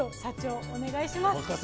社長お願いします。